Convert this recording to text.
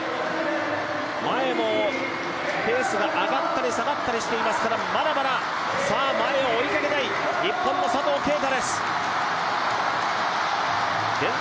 前もペースが上がったり下がったりしていますからまだまだ、前を追いかけたい日本の佐藤圭汰です。